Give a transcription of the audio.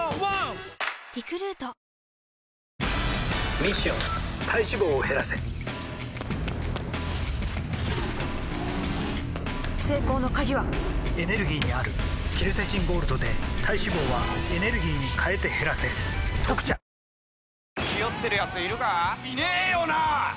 ミッション体脂肪を減らせ成功の鍵はエネルギーにあるケルセチンゴールドで体脂肪はエネルギーに変えて減らせ「特茶」あら